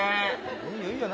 いいよいいよ。